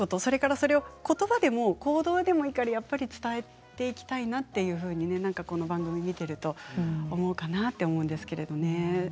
それを、ことばでも行動でもいいから伝えていきたいなというふうにこの番組を見ていると思うかなと思います。